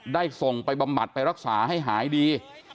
ส่งไปบำบัดไปรักษาให้หายดี